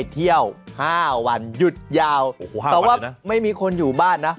เที่ยวห้าวันหยุดยาวโอ้โหห้าวันเลยนะแต่ว่าไม่มีคนอยู่บ้านนะ